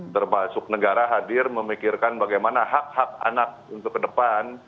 termasuk negara hadir memikirkan bagaimana hak hak anak untuk ke depan